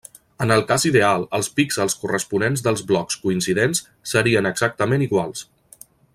En el cas ideal, els píxels corresponents dels blocs coincidents serien exactament iguals.